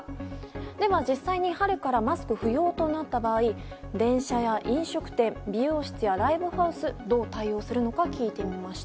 では、実際に春からマスク不要となった場合電車や飲食店美容室やライブハウスどう対応するのか聞いてみました。